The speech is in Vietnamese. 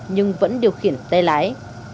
nhưng vẫn điều khiển tay lái